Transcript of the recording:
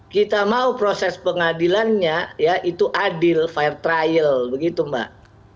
kita mau proses pengadilannya ya itu adil fair trial begitu mbak